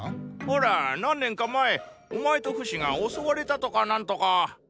ほら何年か前お前とフシが襲われたとか何とか。